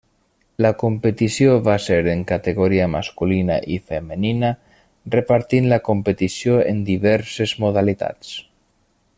La competició va ser en categoria masculina i femenina repartint la competició en diverses modalitats.